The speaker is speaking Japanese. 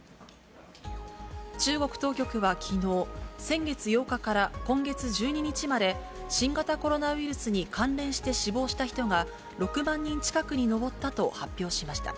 中国当局はきのう、先月８日から今月１２日まで、新型コロナウイルスに関連して死亡した人が６万人近くに上ったと発表しました。